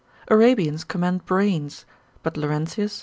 Arabians commend brains, but Laurentius, c.